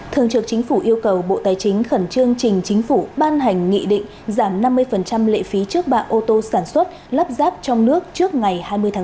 thường trực chính phủ yêu cầu bộ tài chính khẩn trương trình chính phủ ban hành nghị định giảm năm mươi lệ phí trước bạ ô tô sản xuất lắp ráp trong nước trước ngày hai mươi tháng bốn